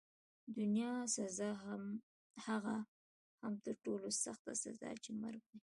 دنیاوي سزا، هغه هم تر ټولو سخته سزا چي مرګ دی.